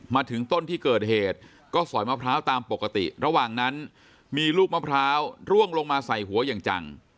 มาถึงต้นที่เกิดเหตุก็สอยมะพร้าวตามปกติระหว่างนั้นมีลูกมะพร้าวร่วงลงมาใส่หัวอย่างจัง